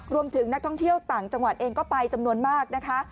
รวมถึงนักท่องเที่ยวต่างจังหวัดเองก็ไปจำนวนมากนะคะ